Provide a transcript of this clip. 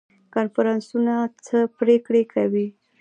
کنفرانسونه څه پریکړې کوي؟